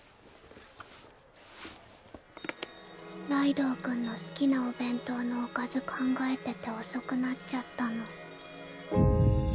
ライドウ君の好きなお弁当のおかず考えてて遅くなっちゃったの。